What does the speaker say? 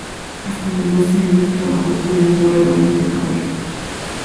Hasta los doce años trabajo cuidando rebaños de cabras.